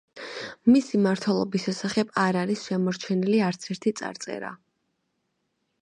მისი მმართველობის შესახებ არ არის შემორჩენილი არცერთი წარწერა.